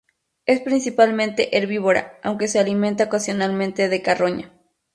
Es principalmente herbívora, aunque se alimenta ocasionalmente de carroña.